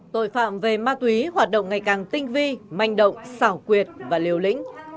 tội phạm về ma túy hoạt động ngày càng tinh vi manh động xảo quyệt và liều lĩnh